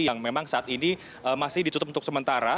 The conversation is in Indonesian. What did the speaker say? yang memang saat ini masih ditutup untuk sementara